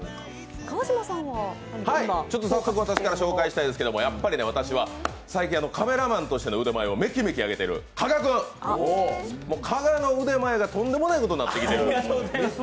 早速私から紹介したいんですけどやっぱり私は最近、カメラマンとしての腕前をめきめき上げている加賀君、カメラの腕前がとんでもないことになっている。